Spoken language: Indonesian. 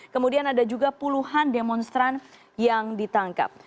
kemudian ada juga puluhan demonstran yang ditangkap